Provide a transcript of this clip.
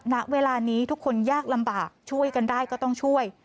ณเวลานี้ทุกคนยากลำบากช่วยกันได้ก็ต้องช่วย